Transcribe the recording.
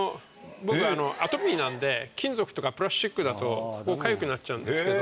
僕アトピーなんで金属とかプラスチックだとここかゆくなっちゃうんですけど。